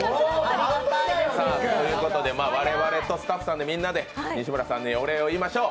ということで我々とスタッフみんなで西村さんにお礼を言いましょう。